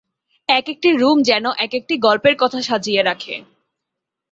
এক একটি রুম যেনো এক একটি গল্পের কথা সাজিয়ে রাখে।